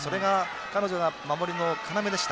彼女の守りの要でした。